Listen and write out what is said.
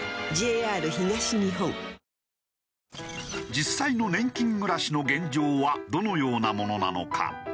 実際の年金暮らしの現状はどのようなものなのか。